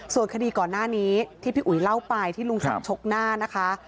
ส่วนคดีก่อนหน้านี้ที่พี่อุ๋ยเล่าไปที่ลุงศักดิ์ชกหน้านะคะ